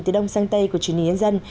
từ đông sang tây của chuyên hình nhân dân